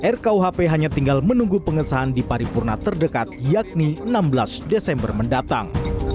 rkuhp hanya tinggal menunggu pengesahan di paripurna terdekat yakni enam belas desember mendatang